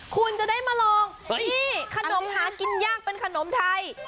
คุณจะได้มาลองนี่ขนมหากินยากเป็นขนมไทย